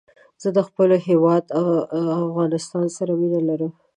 زه د خپل هېواد افغانستان سره مينه لرم